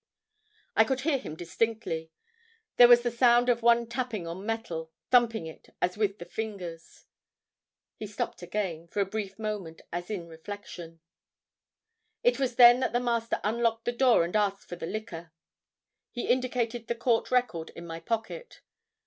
I could hear him distinctly. There was the sound of one tapping on metal, thumping it, as with the fingers." He stopped again, for a brief moment, as in reflection. "It was then that the Master unlocked the door and asked for the liquor." He indicated the court record in my pocket.